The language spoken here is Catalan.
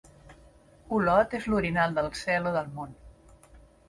Olot és l'orinal del cel o del món.